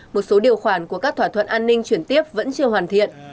một số điều khoản của các thỏa thuận an ninh chuyển tiếp vẫn chưa hoàn thiện